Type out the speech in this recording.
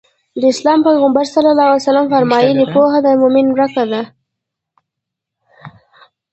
د اسلام پيغمبر ص وفرمايل پوهه د مؤمن ورکه ده.